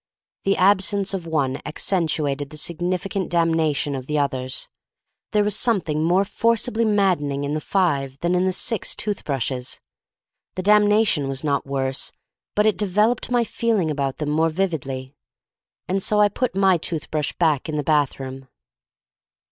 The absence of one accentuated the significant damnation of the others. There was something more forcibly maddening in the five than in the six tooth brushes. The damnation was not worse, but it developed my feeling about them more vividly. And so I put my tooth brush back in the bathroom.